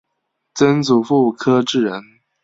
曾祖父柯志仁。